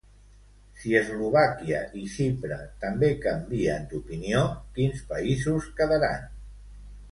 Si Eslovàquia i Xipre també canvien d'opinió, quins països quedaran?